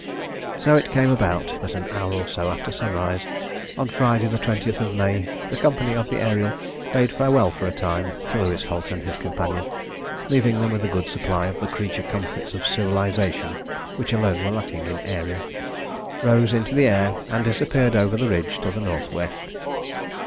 So it came about that an hour or so after sunrise on Friday, the 20th of May, the company of the Ariel bade farewell for a time to Louis Holt and his companion, leaving with them a good supply of the creature comforts of civilisation which alone were lacking in Aeria, rose into the air, and disappeared over the ridge to the north west.